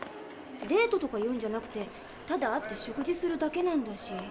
デートとかいうんじゃなくてただ会って食事するだけなんだし。